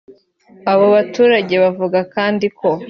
Abo baturage bavuga kandi ko